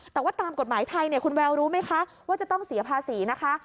แต่ว่าตามกฎหมายไทยเนี่ยคุณแววรู้ไหมคะว่าจะต้องเสียภาษีนะคะ